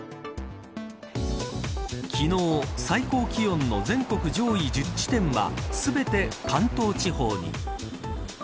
昨日、最高気温の全国上位１０地点は全て関東地方に。